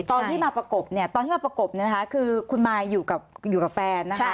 ตอนที่มาประกบตอนที่มาประกบคือคุณมายอยู่กับแฟน